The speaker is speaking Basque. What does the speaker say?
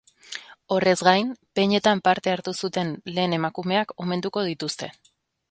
Horrez gain, peñetan parte hartu zuten lehen emakumeak omenduko dituzte.